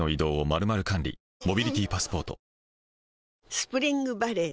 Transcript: スプリングバレー